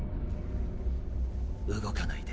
動かないで。